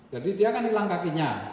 jadi dia kan hilang kakinya